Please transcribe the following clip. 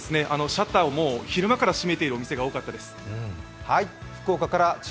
シャッターを昼間から閉めているお店が多かったです。